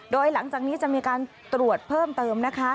โดยหลังจากนี้จะมีการตรวจเพิ่มเติมนะคะ